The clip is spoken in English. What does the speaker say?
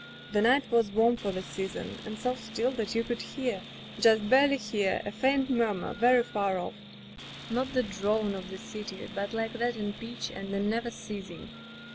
The night was warm for the season, and so still that you could hear — just barely hear —^ faint murmur, very far off; not the drone of a city, but like that in pitch and in never ceasing.